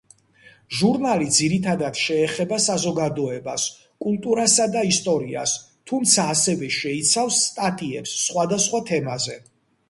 ჟურნალი ძირითადად შეეხება საზოგადოებას, კულტურასა და ისტორიას, თუმცა, ასევე, შეიცავს სტატიებს სხვადასხვა თემაზე.